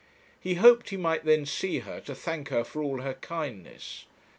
He hoped he might then see her to thank her for all her kindness.